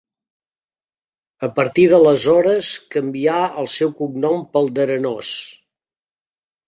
A partir d'aleshores canvià el seu cognom pel d'Arenós.